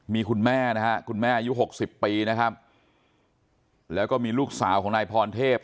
มีคุณแม่นะฮะคุณแม่อายุหกสิบปีนะครับแล้วก็มีลูกสาวของนายพรเทพ